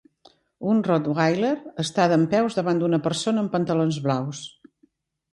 Un rottweiler està dempeus davant d'una persona amb pantalons blaus.